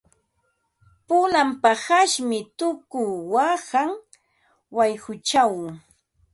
Pulan paqasmi tuku waqan wayquchaw.